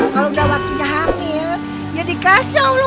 kalau udah waktunya hamil ya dikasih allah